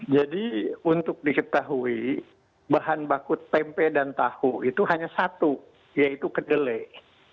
jadi untuk diketahui bahan baku tempe dan tahu itu hanya satu yaitu kedelai